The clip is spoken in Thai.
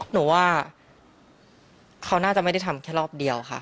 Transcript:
หนูว่าเขาน่าจะไม่ได้ทำแค่รอบเดียวค่ะ